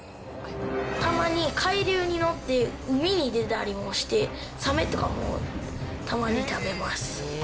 たまに海流に乗って、海に出たりもして、サメとかもたまに食べます。